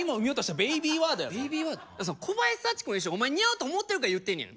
小林幸子の衣装お前に似合うと思ってるから言ってんねやろ。